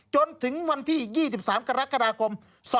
จนถึงวันที่๒๓กรกฎาคม๒๕๖